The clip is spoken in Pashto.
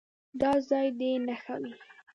دا ځای دې نښه وي.